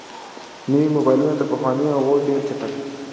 نوي موبایلونه تر پخوانیو هغو ډېر چټک دي.